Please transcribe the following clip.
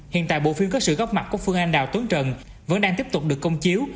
hiện tại bộ phim có sự góp mặt của phương anh đào tuấn trần vẫn đang tiếp tục được công chiếu